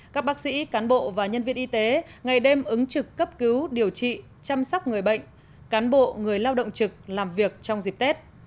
các bác sĩ cán bộ và nhân viên y tế ngày đêm ứng trực cấp cứu điều trị chăm sóc người bệnh cán bộ người lao động trực làm việc trong dịp tết